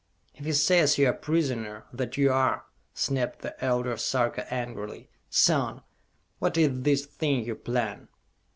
"If he says you are a prisoner, that you are!" snapped the elder Sarka angrily. "Son, what is this thing you plan?"